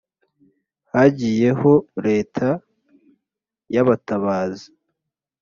hagiyeho Leta y’abatabazi,